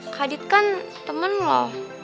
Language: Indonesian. ke adit kan temen lo